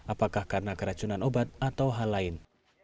apakah karena keracunan obat atau hal lain